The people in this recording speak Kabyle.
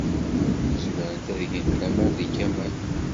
Zemrent ad gent laman deg Kamal.